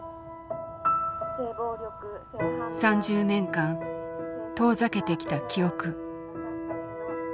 ３０年間遠ざけてきた記憶。